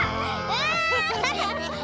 うわ！